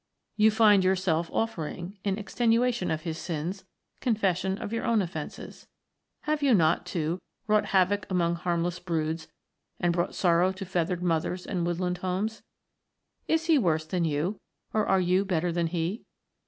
You find yourself offering, in extenuation of his sins, confession of your own offenses. Have not you, too, wrought havoc among harmless broods and brought sorrow to feathered mothers and woodland homes? Is he worse than you, or are you better than he?